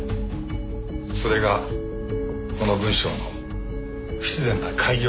それがこの文章の不自然な改行です。